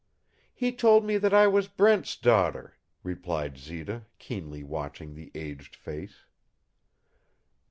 "He told me that I was Brent's daughter," replied Zita, keenly watching the aged face.